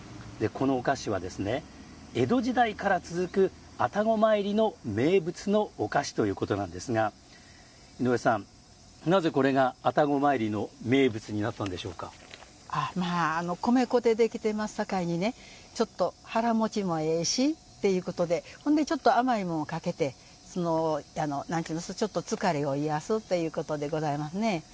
このお菓子は江戸時代から続く愛宕詣りの名物のお菓子ということなんですが井上さん、なぜこれが愛宕詣りの名物に米粉でできてまっさかいにちょっと腹もちもええしということでちょっと甘いもんをかけてちょっと疲れを癒やすということでございますね。